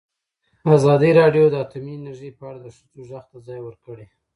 ازادي راډیو د اټومي انرژي په اړه د ښځو غږ ته ځای ورکړی.